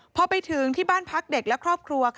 พอไปถึงที่บ้านพักเด็กและครอบครัว